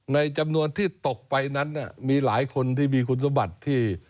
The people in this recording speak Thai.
ในจำนวนที่ตกไปนั้นมีหลายคนที่มีคุณสมบัติที่